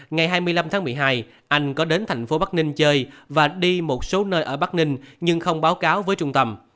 ngày hai mươi năm tháng một mươi hai anh có đến thành phố bắc ninh chơi và đi một số nơi ở bắc ninh nhưng không báo cáo với trung tâm